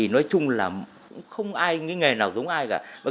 nói chung là cũng không ai cái nghề nào giống ai cả